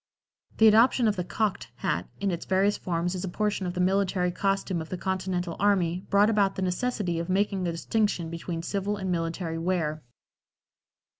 The adoption of the "cocked" hat in its various forms as a portion of the military costume of the Continental Army brought about the necessity of making a distinction between civil and military wear.